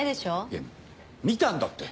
いや見たんだって。